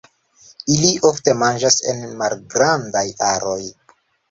Ili ofte manĝas en malgrandaj aroj.